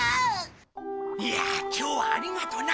いや今日はありがとな。